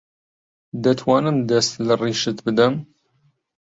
دەتوانم دەست لە ڕیشت بدەم؟